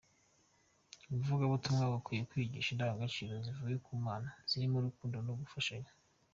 Abavugabutumwa bakwiye kwigisha indangagaciro zivuye ku Mana zirimo urukundo no gufashanya.